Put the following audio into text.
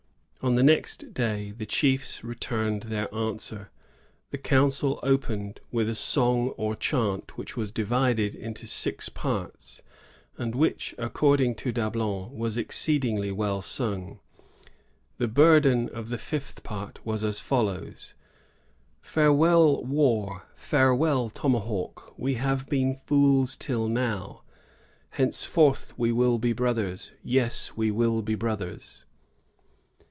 On the next day the chiefs returned their answer. The council opened with a song or chant, which was divided into six parts, and which, according to Dablon, was exceedingly well sung. The burden of the fifth part was as follows: — "Farewell war! farewell tomahawk! We have been fools tiU now ; henceforth we will be brothers, — yes, we will be brothers."